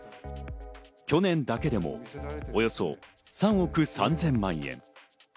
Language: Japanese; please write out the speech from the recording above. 去年だけでも、およそ３億３０００万円。